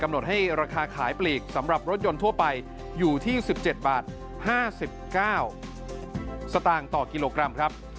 หนดให้ราคาขายปลีกสำหรับรถยนต์ทั่วไปอยู่ที่๑๗บาท๕๙สตางค์ต่อกิโลกรัมครับ